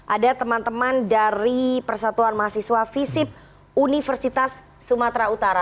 ada teman teman dari persatuan mahasiswa visip universitas sumatera utara